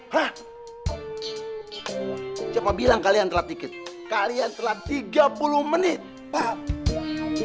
hah siapa bilang kalian telat dikit kalian telat tiga puluh menit paham